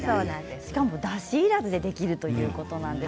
しかもだしいらずでできるということです。